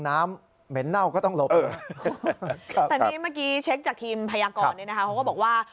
น้ำเหม็นเหล้าก็ต้องลบเมื่อกี่เช็คจากทีมพยากรบอกว่า